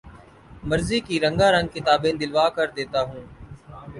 مرضی کی رنگار نگ کتابیں دلوا کر دیتا ہوں